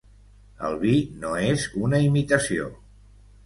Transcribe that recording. El vi no és una imitació.